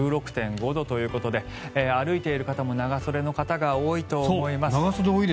１６．５度ということで歩いている方も長袖の方が多いと思います。